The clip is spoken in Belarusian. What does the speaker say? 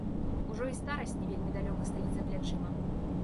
Ужо і старасць не вельмі далёка стаіць за плячыма.